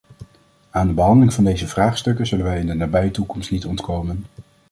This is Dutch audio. Aan de behandeling van deze vraagstukken zullen wij in de nabije toekomst niet ontkomen.